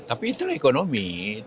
tapi itulah ekonomi